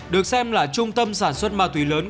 được xem là trung tâm sản xuất ma túy lớn